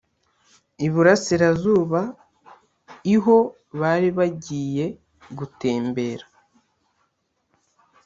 iburasirazuba iho bari bajyiye gutembera